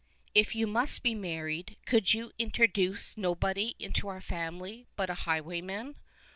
" If you must be married, could you introduce nobody into our family but a highwayman